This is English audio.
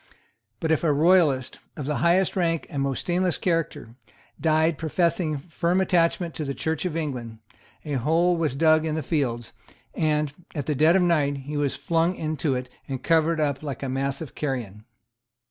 But if a royalist, of the highest rank and most stainless character, died professing firm attachment to the Church of England, a hole was dug in the fields; and, at dead of night, he was flung into it and covered up like a mass of carrion.